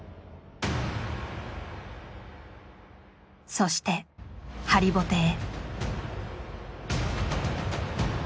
そしてハリボテへ。